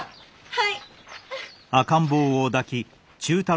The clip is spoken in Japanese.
はい！